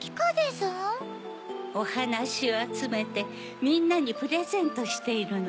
おはなしをあつめてみんなにプレゼントしているの。